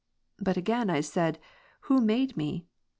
But again I said. Who made me?